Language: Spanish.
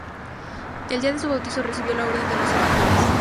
El día de su bautizo recibió la Orden de los Serafines.